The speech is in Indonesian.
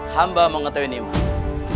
hamba mengetahui nimas